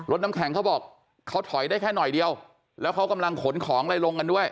น้ำแข็งเขาบอกเขาถอยได้แค่หน่อยเดียวแล้วเขากำลังขนของอะไรลงกันด้วย